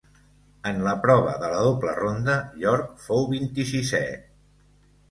En la prova de la doble ronda York fou vint-i-sisè.